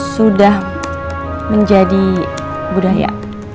sudah menjadi budaya